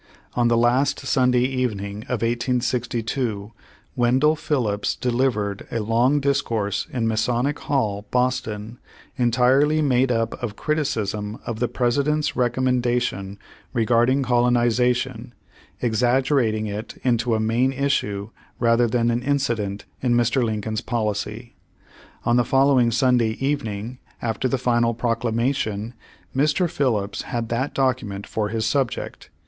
On the last Sun day evening of 1862, Wendell Phillips delivered a long discourse in Masonic Hall, Boston, entirely made up of criticism of the President's recom mendation regarding colonization, exaggerating it into a main issue rather than an incident in Mr. Lincoln's policy. On the following Sunday eve ning, after the final Proclamation, Mr. Phillips had that docum.ent for his subject.